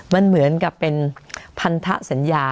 มันเหมือนกับเป็นพันธสัญญา